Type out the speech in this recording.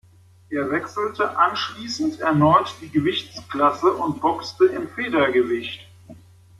Er wechselte anschließend erneut die Gewichtsklasse und boxte im Federgewicht.